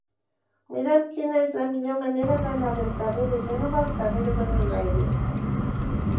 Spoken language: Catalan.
Mira'm quina és la millor manera d'anar del carrer de Gènova al carrer de Buenos Aires.